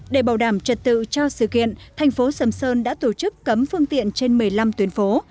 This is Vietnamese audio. để bảo đảm trật tự cho sự kiện thành phố sầm sơn đã tổ chức cấm phương tiện trên một mươi năm tuyến phố